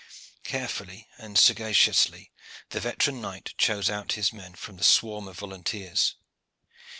Carefully and sagaciously the veteran knight chose out his men from the swarm of volunteers.